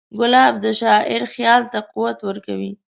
ګلاب د شاعر خیال ته قوت ورکوي.